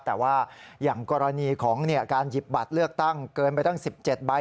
แต่ว่าอย่างกรณีของการหยิบบัตรเลือกตั้งเกินไปตั้ง๑๗ใบ